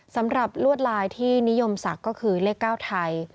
ลวดลายที่นิยมศักดิ์ก็คือเลข๙ไทย